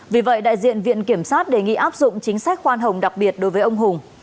vì vậy đại diện viện kiểm sát đề nghị áp dụng chính sách khoan hồng đặc biệt đối với ông hùng